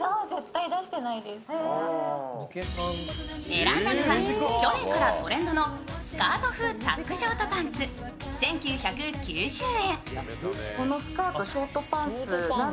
選んだのは去年からトレンドのスカート風タックショートパンツ１９９０円。